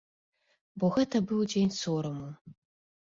Бо гэта быў дзень сораму.